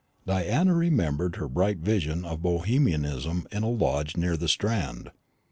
Diana remembered her bright vision of Bohemianism in a lodging near the Strand.